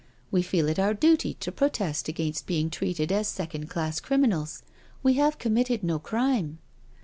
We feel it our duty to protest against being treated as second class criminals— we have committed no crime."